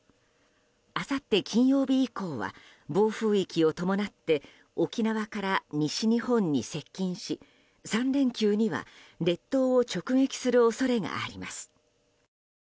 あさって金曜日以降は暴風域を伴って沖縄から西日本に接近し３連休には列島を直撃する恐れがあります。